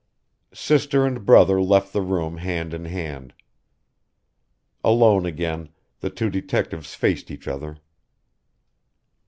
Sister and brother left the room hand in hand. Alone again, the two detectives faced each other.